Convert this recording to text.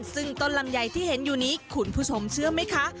ซึ่งต้นลำไยที่เห็นอยู่นี้คุณผู้ชมเชื่อไหมคะ